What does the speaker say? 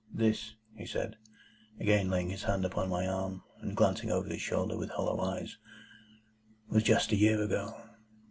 "This," he said, again laying his hand upon my arm, and glancing over his shoulder with hollow eyes, "was just a year ago.